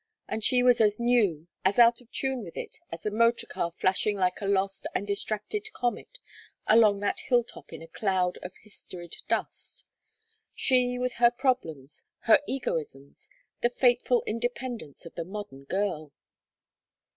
And she was as new, as out of tune with it as the motorcar flashing like a lost and distracted comet along that hill top in a cloud of historied dust: she with her problems, her egoisms, the fateful independence of the modern girl.